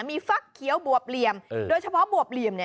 มีฟักเขียวบวบเหลี่ยมโดยเฉพาะบวบเหลี่ยม